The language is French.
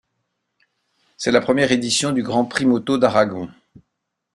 C'est la première édition du Grand Prix moto d'Aragon.